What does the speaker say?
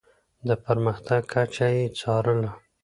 د پرمختګ کچه يې څارله.